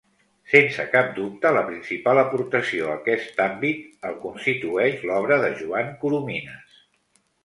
Sense cap dubte la principal aportació a aquest àmbit el constitueix l'obra de Joan Coromines.